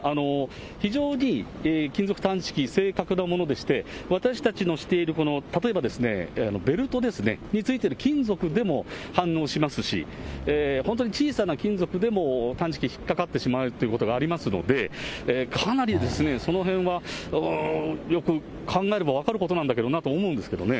非常に金属探知機、正確なものでして、私たちのしている、この、例えばですね、ベルトですね、についている金属でも反応しますし、本当に小さな金属でも探知機、引っ掛かってしまうということがありますので、かなりそのへんはうーん、よく考えれば分かることなんだけどなと思いますけどね。